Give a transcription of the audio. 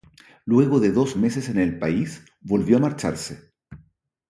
Luego de dos meses en el país volvió a marcharse.